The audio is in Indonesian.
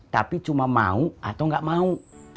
tapi cuma mau atau nggak mau